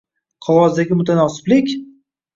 Qog‘ozdagi mutanosiblik?